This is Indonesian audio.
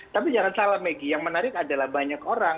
tapi jangan salah maggie yang menarik adalah banyak orang